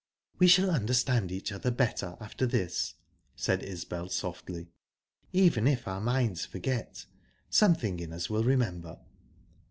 "We shall understand each other better after this," said Isbel, softly. "Even if our minds forget, something in us will remember."